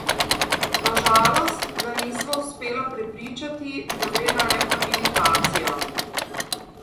Na žalost, ga nisva uspela prepričati, da gre na rehabilitacijo.